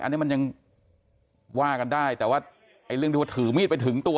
อันนี้มันยังว่ากันได้แต่ว่าไอ้เรื่องที่ว่าถือมีดไปถึงตัว